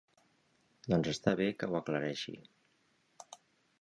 Doncs està bé que ho aclareixi.